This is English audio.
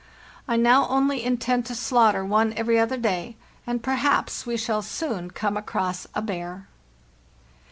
I now only intend to slaughter one every other day, and perhaps we shall soon come across a bear.